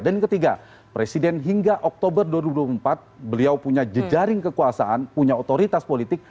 dan yang ketiga presiden hingga oktober dua ribu dua puluh empat beliau punya jejaring kekuasaan punya otoritas politik